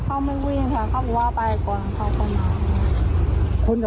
เขาไม่วิ่งเขาบอกว่าไปกว่าเขากลับมา